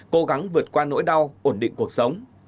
cố gắng vượt qua nỗi đau ổn định cuộc sống